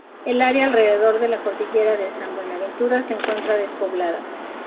El área alrededor de la Cordillera de San Buenaventura se encuentra despoblada.